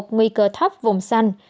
nguy cơ thấp vùng xanh